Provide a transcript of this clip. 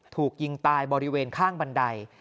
ถูกยิงตายบริเวณข้างบันได